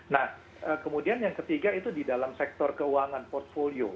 nah kemudian yang ketiga itu di dalam sektor keuangan portfolio